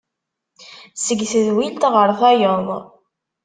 Seg tedwilt γer tayeḍ.